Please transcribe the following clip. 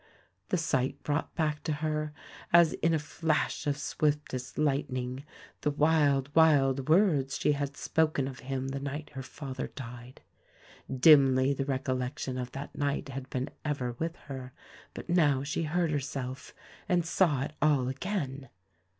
The sight brought back to her — as in a flash of swiftest lightning — the wild, wild words she had spoken of him the night her father died. Dimly the recollection of that night had been ever with her; but now she heard herself, and saw it all again.